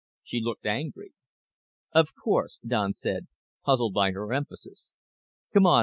She looked angry. "Of course," Don said, puzzled by her emphasis. "Come on.